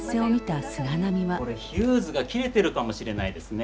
これヒューズが切れてるかもしれないですね。